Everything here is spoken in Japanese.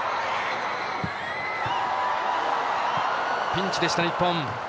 ピンチでした日本。